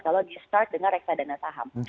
kalau di start dengan reksadana saham